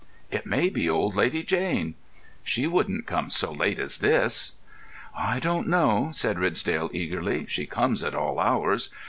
"It may be old Lady Jane." "She wouldn't come so late as this." "I don't know," said Ridsdale, eagerly. "She comes at all hours.